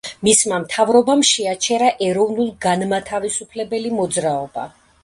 მისმა მთავრობამ შეაჩერა ეროვნულ-განმათავისუფლებელი მოძრაობა.